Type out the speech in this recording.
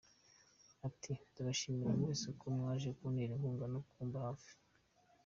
Ati “Ndabashimiye mwese uko mwaje kuntera inkunga no kumba hafi.